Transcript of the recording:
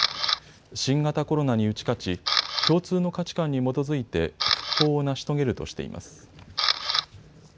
新型コロナに打ち勝ち、共通の価値観に基づいて復興を成し遂げるとしています。